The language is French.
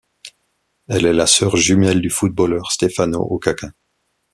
Elle est la sœur jumelle du footballeur Stefano Okaka.